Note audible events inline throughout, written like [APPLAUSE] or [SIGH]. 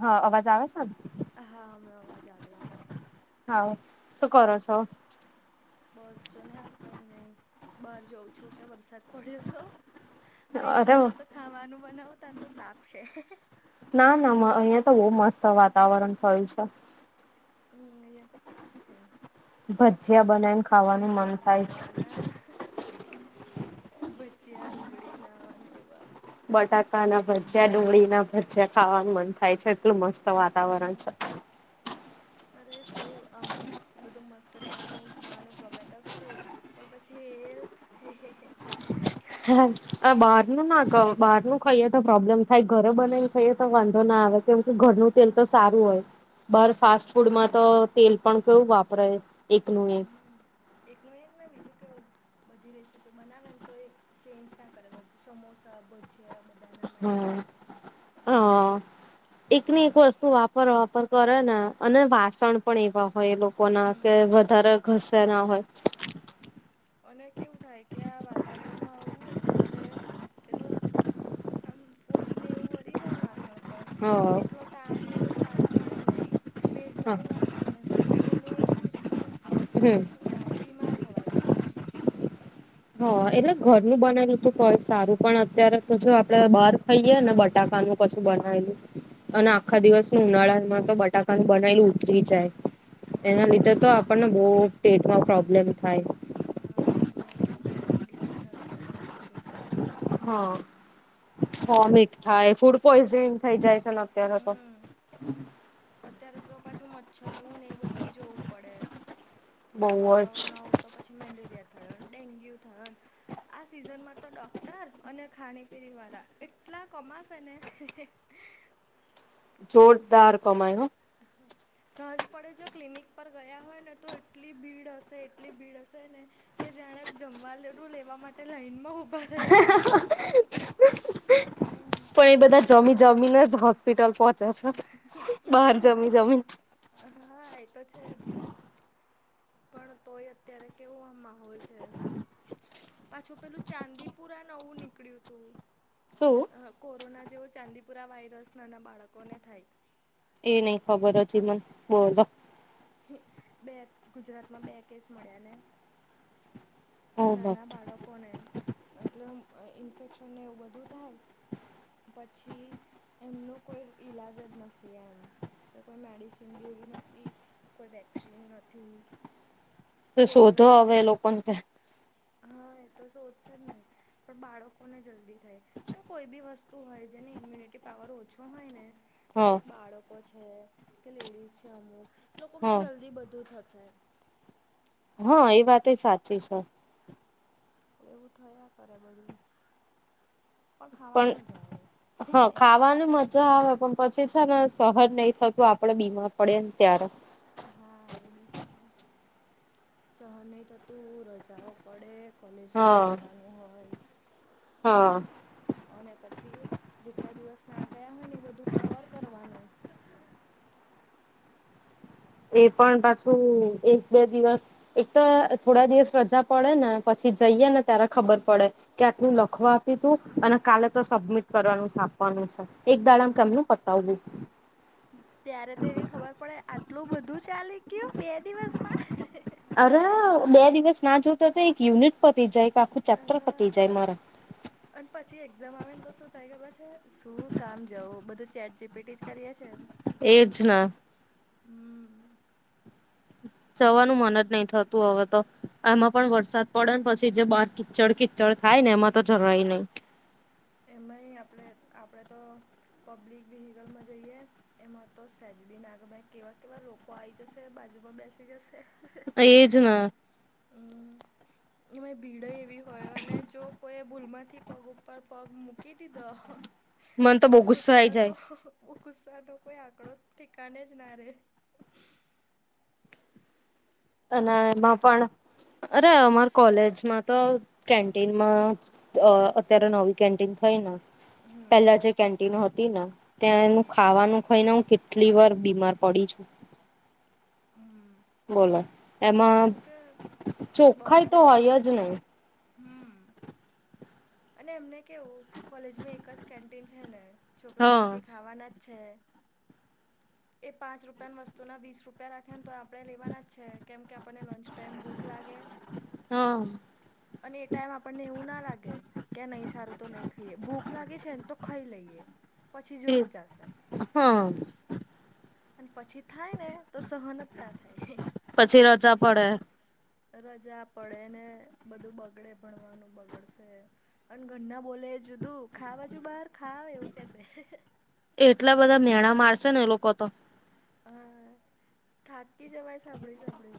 હા અવાજ આવે છે. ને હા મે આવાજ આદ. હા શું કરો છો બસ જોો ને કઈ નઈ બહાર જાઉં છું કે્યા વરસાદ પડ્યો હતો તોક અરે મસ્ત ખાવાનું બનાવતા તો તાપશે ના ના અહિયાયા તો બહુ મસ્ત વાતાવરણ થયું છે હમ અહિયાં તો તાપ છે ભજિયા બ ભજીયા બનાવાના ભચિયા ડુંગળી નાને એવા બટાકા ના ભજયા ડુંગળી ના ભજયા ખાવાનું મન થાય છે એટલું મસ્ત વાતાવરણ હમ છે [INAUDIBLE] અરે શું આમ બધું મસ્ત નવું નવું ખાવાનું ગમે ત ખારું પણ પછી હેલ્થ હ બહાર ન ના બહાર નું ખાઈએ તો પ્રોબ્લેમ થાય ઘરે બનાને ખાઈએ તો વાંધો ના આવે કેમ કે ઘરનું તેલ તો સારું હોય બહાર તેલ ફાસ્ટ પણ કેવું વાપરે ફૂડમાં તો તેલ પણ કેયું વાપરે એકનું એક હમ એકનું એ જ મેં બીજું કે બધી રેસીપી બનાવે ને તો એ ચેન્જ ના કરે બધું સમોસા ભજી જે આ બધાનામાં હમ એનું એ જ હ એક ની એક વસ્તુ વાપર વાપર કરે ને અને વાસણ પણ એવા હોય એ લોકો ના કે હમ વધારે ઘસે ના હોય અને કેવું થાય કે આ વાતાવરણમાં આવું એટલે પેલું આમ ફૂગને એવું વરી જાય ને વાસળ એટલો હા તાપ ને એવું સારું મળે નહી ભેજબારું વાત વાતાવરણ હોય ને એનું એ યુઝ કરે હમ એટલે શું થાય બીમાર થવાય પછી હા એટલે ઘરનુંું બનાલું તું કય સારું પણ અત્યારે તો જો આપડે ખઈએે ને બટાકાનું પું બનાવેલું અને આખા દિવસ ઉનાળામાં તો બટાકાનું બનાલું ઉતરી જાય એના લીધે તો આપણને બહ પેટમાં પ્રોબ્લેમ થાય હા પેટમાં એવું થશે એસિડિટી થશે અને એવું બધું થયા કદામ હા વોમિટ થાય ફૂડ પોઈઝનિંગ થઈ જાય છે ને અત્યારે તો હમ અત્યારે તો પાછું મચ્છર નું ને એ બધું જોવું પડે બહુ જ વાતાવરણ આવ તો પછી મેલેરિયા થય ને ડેન્ગ્યુ થય ને આ સિઝનમાં તો ડોક્ટર અને ખાણી પીણી વાળા એટલા કમાસ જોરદાર કમાાય હ હા સહજ પડે જો ક્લિનિક પર ગયા હોય ને તો એટલી ભીડ હશે એટલી ભીડ હશે ને કે જાણે જમવા લડું લેવા માટે, લાઈનમાં ઉભા રહ્યા હોય. પણ એ બધા જમી જમીને જ હોસ્પિટલ પોહોંચ્યા છે, બહાર જમી જમીને. હા, એતો છે જ. પણ તોય અત્યારે કેવો આમ માહોલ છે. પાછું પેલું ચાંદીપુરા નવું નીકળ્યું હતું. શું? કોરોના જેવો ચાંદીપુરા વાયરસનાના બાળકોને થાય. એ નઈ ખબર, હજી મને બોલો. બે ગુજરાતમાં બે કેસ મળ્યાને. નાના બાળકોને એટલે ઈન્ફેક્શન ને એવું બધું થાય. પછી. એમનો કોઈ ઈલાજ જ નથી, એમ કે કોઈ મેડિસિન બી એવી નથી. કોઈ વેક્સિન નથી. તો શોધો, કોરોનામાં હવે કેમ લોકોને. હા, એ તો શોધશે જ નહીં, પણ બાળકોને જલ્દી થાય. પણ કોઈ બી વસ્તુ હોય, જેની ઈમ્યુનિટી પાવર ઓછો હોય ને. હા લાઈક બાળકો છે, કે લેડીઝ છે, અમુક લોકો અને હા જલ્દી બધું થશે‌. હા, એ વાત સાચી છે. એવું થયા કરે, બધું પણ ખાવાની મજા આવે. આવવાની. આવે પણ પછી છે ને, સહન નહી થતું, આપડે બીમાર પડે ને ત્યારે. હા, એ બી છે સહન નહીં થતું, રજાઓ પડે, કોલેજ સ્કૂલ હા જવાનું હોય. હા. અને પછી જેટલા દિવસ ના ગયા હોય ને, એ બધું કવર કરવાનું. એ પણ પાછું એક-બે દિવસ, એક તો થોડા દિવસ રજા પડે ને. પછી જઈએે હમ ને, ત્યારે ખબર પડે. કે આટલું લખવા આપ્યું તું, અને કાલે તો સબમિટ કરવાનું છે, આપવાનું છે. એક દાડામાં હા કેમનું પતાવવું. ત્યારે તો એવી ખબર પડે, આટલું બધું ચાલી ગયું, બે દિવસમાં. અરે બે દિવસ ના જોતો તો, એક યુનિટ પતી જાય કે, આખું ચેપ્ટર પતી જાય મારા. [UNINTELLIGIBLE] અને પછી એક્ઝામ આવે ને, તો શું થાય, ખબર છે? શું કામ જવું? બધું ચેટ જીપીટી જ કરીએ છે. એજ ને હમ્મ. જવાનું મન જ નહી થતું, હવે તો એમાં પણ વરસાદ પડે, પછી જે બાર કીચડ કિ -ચળ થાય ને, એમાં તો જવાય નહી. એમાંય આપણે આપણે તો. પબ્લિક વ્હિકલમાં જઈએ, એમાં તો સેજ બી ના ગમે, ભાઈ, કેવા કેવા લોકો આવી જશે, બાજુમાં બેસે. એજ ને [UNINTELLIGIBLE] એ ભીડ એવી હોય, અને જો કોઈ ભૂલમાંથી પગ ઉપર. પગ મૂકી દીધો, મને તો બહુ ગુસ્સો આઈ ગુસારો. જાય ગુસ્સા ન કોઈ આંકડો, ઠેકાને જ ના રે. અને એમાં પણ અરે, અમારે કોલેજમાં. તો કેન્ટીનમાં અત્યારે, નવી કેન્ટીન થઈ ને. હમ. પેલા જે કેન્ટિન હતી ને, હમ. ત્યાંનું ખાવાનું ખાઈને હું. કેટલી વાર બીમાર પડી છું. હમ્મ. બોલો, એમાં ચોખાઈ તો હોય જ નહી‌. ‌‌ હમ્મ‍‍‍. અને એમને કેવું કોલેજમાં એક જ કેન્ટીન છે ને, છોકરા હા અહિયાયાંથી ખાવાના જ છે. [INAUDIBLE] એ પાંચ રૂપિયાની વસ્તુના વીસ રૂપિયા રાખેને તો આપણે લેવાના જ છે. કેમ કે આપણને લંચ ટાઈમ ભૂખ લાગે. હમ્મ અને એ ટાઈમ આપણને એવું ના લાગે- કે નહી સારું તો નહી ખાઈએ ભૂખ લાગે છે. ને તો ખાઈ લઈએ પછી એ જોયું જશે- હા અને પછી થાય ને તો સહન જ ના થાય. પછી રજા પડે રજા પડે ને બધું બગડે ભણવાનું બગડશે. અને ઘરના બોલે એ જુદું ખા બાજુ બહાર ખાઈ એવું કેશે‌- એટલા બધા મેણા મારશે ને એ લોકો- તો હા થાકી જવાય સાંભળી સાંભળે-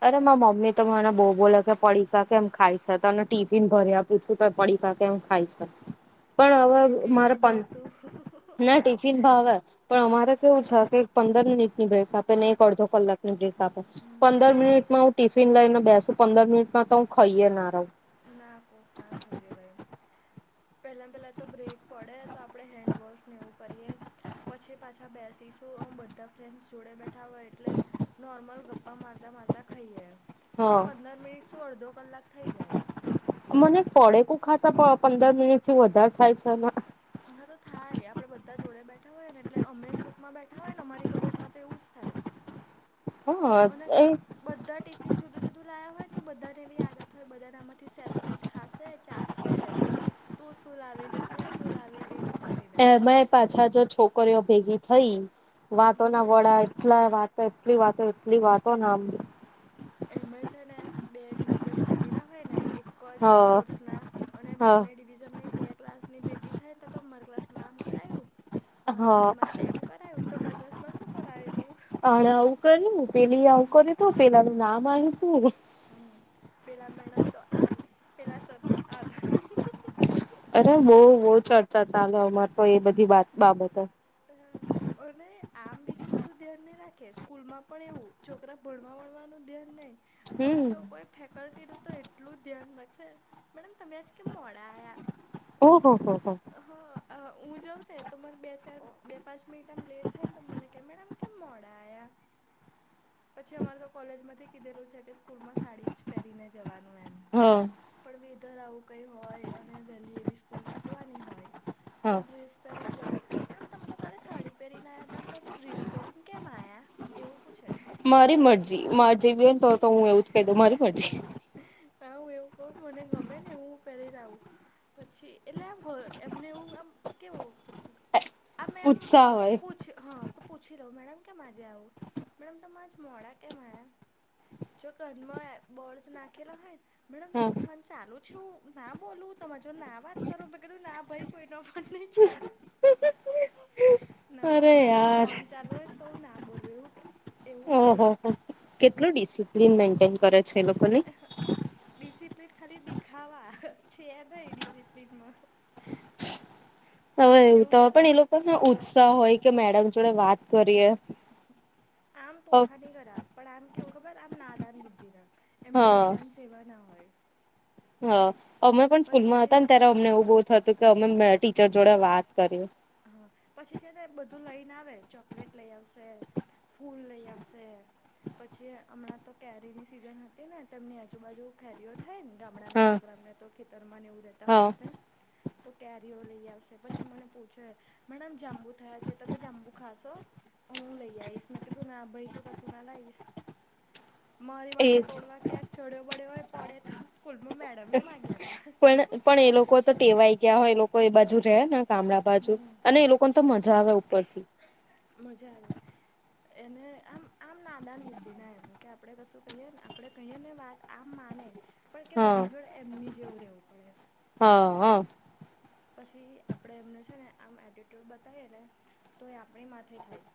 અરે મારા મમ્મી તો મને બહુ બોલ કે પડીકા કે એમ ખાય છે તને ટીફિન ભર્યા- પૂછું તો પડીકા કે એમ ખાય છે. પણ હવે ટિફિન નહી મારા ભાવતું ના ટિફિન ભાવે- પણ અમારે કેવું છે કે પંદર મિનિટની બ્રેક આપે ને એક અડધો કલાકની બ્રેક આપે. પંદર મિનિટમાં હું ટિફિન લઈને બેસુ પંદર મિનિટમાં તો હું ખાઈએ ના રહું. ના કોક ના ખાઈ રેવાય એમ. પહેલા પહેલા તો બ્રેક પડે તો આપણે હેન્ડવોશ ને એવું કરીએ પછી પાછા બેસીશું હું બધા ફ્રેન્ડ્સ જોડે બેઠા હોય. એટલે નોર્મલ ગપ્પા મારતાં મારતાં ખાઈએ તો હા પંદર મિનિટ શું અડધો કલાક થઈ જાય. મને એક પળેકું ખાતા પણ પંદર મિનિટ થી વધારે થાય છે ને- હા તો થાય આપડે બધા જોડે બેઠા હોય ને એટલે અમે ગ્રુપમાં બેઠા હોય ને અમારી કોલેજમાં તો એવું જ થાય. હા અને બધા ટિફિન જુદું જુદું લાયા હોય ને તો બધાને એવી આદત હોય બધાને આમાંથી સેજ સેજ [UNINTELLIGIBLE] ખાશે ચાખશે તું શું લાવી ને તું શું લાવીને એવું. કરીને એમાં પાછા જો છોકરીઓ ભેગી થઈ વાતો ના હમ વડા એટલા વાત એટલી વાતો એટલી વાતો ને આમ એમાં છે ને બે ડિવિઝન પાડેલા હોય ને એક જે હા કોર્સના અને હા બંને ડિ -વિઝનમાં એ બે ક્લાસ ની ભેગી થાયને તો અમારા ક્લાસમાં આમ કરાયવુ અમારા હા ક્લાસમાં તેમ કરાવ્યું તમારા ક્લાસમાં શું કરાવ્યું હતું? આળ [UNINTELLIGIBLE] કરી પેલીએ આવું કર્યું હતું પેલાનું નામ આવ્યુ હતું. હમ પેલા મેડમ તો આમ પેલા સર તો આમ. અરે બોવ બોવ ચર્ચા ચાલે અમારે તો એ બધી વાત બાબતે- હા. અને આમ બીજું બધું ધ્યાન નહી રાખે સ્કૂલમાં પણ એવું છોકરા ભણવા ભણવાનું ધ્યાન નહીં- હમ પણ જો કોઈ ફેકલ્ટીનું તો એટલું ધ્યાન રાખશે મેડમ તમે આજ કેમ મોડા આયા. ઓહ હો હો. હા હું જાઉં ને તો મને બે ચાર બે પાંચ મિનિટ આમ લેટ થાય ને તો મને કહે મેડમ કેમ મોડા આયા. [UNINTELLIGIBLE] પછી અમારે તો કોલેજમાંથી કીધેલું છે. કે સ્કૂલ માં સાડી જ પહેરીને જવાનું એમ. હા. પણ વેધર આવું કઈ હોય અને વહેલી એવી સ્કૂલ હોય હા તો ડ્રેસ પહેરીને જઉ મેડમ તમે તો કાલે સાડી પહેરીને આવ્યા તા ને ડ્રેસ પેરીને કેમ આયા એવું પૂછે. મારી મરજી માર જેવી હોયને તો તો હું એવું જ કહી દઉ મારી મરજી. હા હું એવું કહું મને ગમે ને હું પહેલી આવું પછી એટલે આમ એમને એવું આમ કેવું આ મેમ ઉત્સાહ હોય પૂછ હા પૂછી લઉં મેડમ કેમ આજે આવું મેડમ તમે આજ મોડા કેમ આયા. જો કાનમાં બોર્ડસ નાખેલા હોય ને મેડમ હા તમારો ફોન ચાલુ છું ના બોલું તમે જો ના વાત કરું મેં કીધું આ ભાઈ કોઈ ન પણ નહી ચાલુ ના અરે મેડમ યાર ફોન ચાલુ હોય તો ના બોલવું એવું કે એવું કે કેટલુ ડિસિપ્લિન મેન્ટેન કરે છે એ લોકોને નઈ ડિસિપ્લીન ખાલી દેખાવા છે નઈ ડિસિપ્લિનમાં. હવે એવું તો હોય પણ એ લોકોને ઉત્સાહ હોય કે મેડમ જોડે વાત કરીએ. આમ હા તોફાની ખરાબ પણ આમ કેવું ખબર આમ નાદાન બુદ્ધિ ના એમને ઇન્ટર્નસ એવા ના હોય. હ અમે પણ સ્કૂલમાં પછી હતા ને ત્યારે અમને એવું બોવ થતું કે અમે મે ટીચર જોડે વાત કરીએ. હા પછી છે ને બધું લઈને આવે ચોકલેટ લઈ આવશે. ફૂલ લઈ આવશે પછી હમણાં તો કેરીની સિઝન હતી ને તેમની આજુબાજુ કેરીઓ થાય ને ગામડા ના હા. છોકરાને તો ખેતરમાં નેવું રહેેતા હા હોય તો કેરીઓ લઈ આવશે પછી મને પૂછો મડમ જાંબુ થયા છે તમે જાંબુ ખાશો હું લઈ આઈશ મે કધું ના આભાાઈ તું ક સુું ના લાઈ [INAUDIBLE] મારી માટે એજ તોડવા ક્યાંક ચડ્યો પડ્યો હોય પડે તો સ્કૂલમાં મેડમે એ પણ પણ એ લોકો તો ટેવાય ગયા હોય એ લોકો એ બાજુ રહે ને ગામડા બાજુ હમ. અને એ લોકોને તો મજા આવે ઉપરથી મજા મજા આવે એને આમ આમ નાદાન બુદ્ધિ ના એમ કે આપણે કશું કહીએ ને આપણે કહીએ ને વાત આમ માને પણ કેવું હા. એમની જોડે એમની જેવું રહેવું પડે હા હ પછી આપણે એમનું છે ને આમ એટિટ્યૂડ બતાવીએ ને તો એ આપણી માથે થાય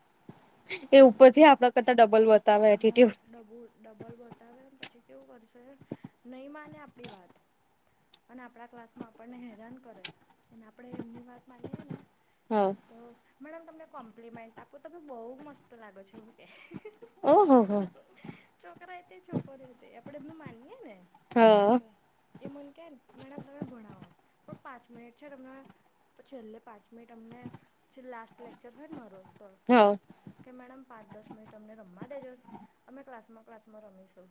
એ ઉપર થી આપણા કરતા ડબલ બતાવે હા એટ્યુડ ડબુ ડબલ બતાવેમ પછી કેવું કરશે નહીં માને આપણી વાત અને આપણા ક્લાસ માં આપણને હેરાન કરે એ આપણે એમની વાત માનીએે ને હા. તો મેડમ તમને કોમ્પ્લિમેન્ટ આપવું તમે બહુ મસ્ત લાગો છે કે ઓહ હો હો. છોકરા એ તે છોકરી હતી આપડે એમનું માનીયે ને હા એ મને કે મેડમ તમે ભણાવો પણ પાંચ મિનિટ છે તમને પછીલ્લે પાંચ મિનિટ અમને પછી લાસ્ટ લેક્ચર હોય ને મારો તો હા કે મેડમ પાંચ દસ મિનિટ અમને રમવા દેજો અમે ક્લાસમાં ક્લાસમાં રમીશું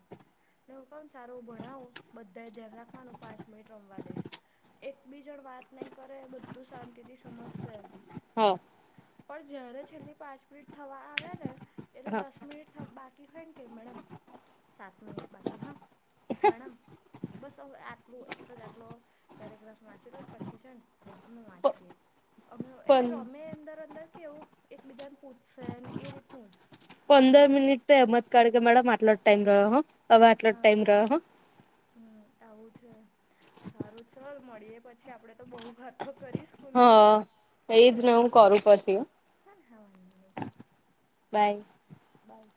નવું કામ સારું ભણાવો બધા ધ્યાન રાખવાનું પાંચ મિનિટ રમવા દઈશ એક બીજણ વાત નહીં કરે બધું શાંતિથી સમજશે હ પણ જય્યારે છેલ્લી પાંચ મિનિટ થવા આવે ને એટલે દસ મિનિટ બાકી હોય ને કે મેડમ સાત મિનિટ બાકી હા મેડમ બસ હું આટલું એક જ આટલો પેરાગ્રાફ વાંચીલો ને પછી છે ને અમે માચી અમે એટલે પણ રમે અંદર અંદર કેવું એકબીજાને પૂછશે એ રીતનું જ પંદર મિનિટ તો એમ જ કાઢ કે મેડમ આટલો જ ટાઈમ રહ્યો હો હવે આટલો જ હા ટાઈમ રહ્યો હો હમ આવું છે સારું ચાલ મળીયએ પછી આપડે તો બહુ વાતો કરીશ હા એજ ન હું કરું પછી હા હા વા છે બાય બાય.